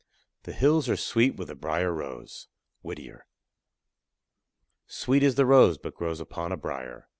The hills are sweet with the brier rose. WHITTIER. Sweet is the rose, but grows upon a brier.